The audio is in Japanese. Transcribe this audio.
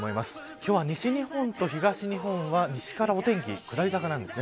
今日は西日本と東日本は西からお天気下り坂なんですね。